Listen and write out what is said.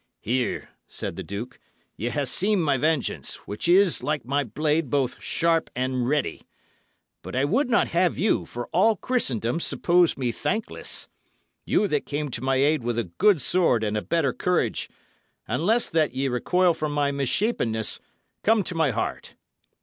"Here," said the duke, "ye have seen my vengeance, which is, like my blade, both sharp and ready. But I would not have you, for all Christendom, suppose me thankless. You that came to my aid with a good sword and a better courage unless that ye recoil from my misshapenness come to my heart."